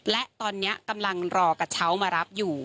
และตอนนี้กำลังรอกระเช้ามารับอยู่